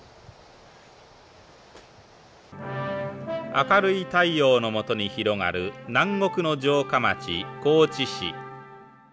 「明るい太陽のもとに広がる南国の城下町高知市」。